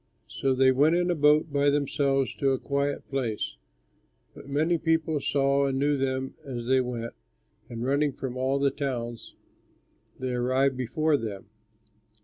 So they went in a boat by themselves to a quiet place; but many people saw and knew them as they went, and, running from all the towns, they arrived before them.